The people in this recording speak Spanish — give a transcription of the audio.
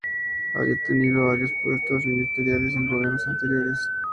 Había tenido varios puestos ministeriales en gobiernos anteriores.